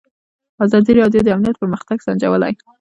ازادي راډیو د امنیت پرمختګ سنجولی.